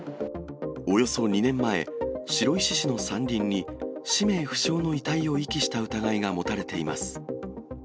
およそ２年前、白石市の山林に、氏名不詳の遺体を遺棄した疑いが持たれています。